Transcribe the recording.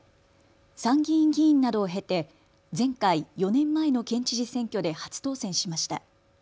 参議院議員などを経て前回４年前の県知事選挙で初当選しました。